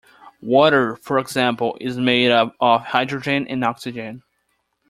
Water, for example, is made up of hydrogen and oxygen.